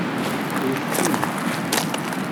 Wwtet-iyi.